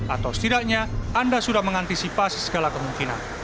atau setidaknya anda sudah mengantisipasi segala kemungkinan